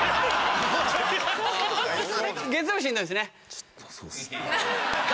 ちょっとそうっすね。